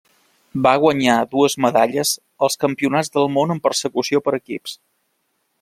Va guanyar dues medalles als Campionats del món en Persecució per equips.